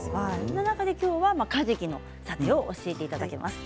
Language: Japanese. その中で今日はかじきのサテを教えていただきます。